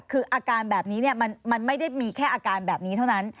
คืออาการแบบนี้มันไม่ได้มีแค่อาการแบบนี้เท่านั้น